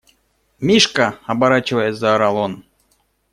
– Мишка! – оборачиваясь, заорал он.